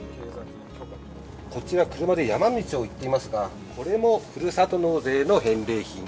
こちら、車で山道を行っていますが、これもふるさと納税の返礼品。